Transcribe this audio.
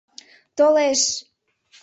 — Толе-еш!